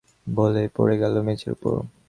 বলেই পড়ে গেল মেঝের উপর।